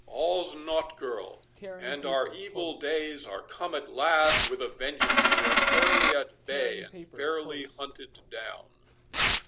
—All's naught, girl—and our evil days are come at last with a vengeance—we are fairly at bay and fairly hunted down."